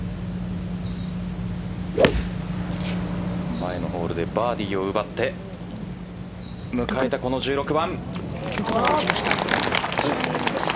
前のホールでバーディーを奪って迎えたこの１６番。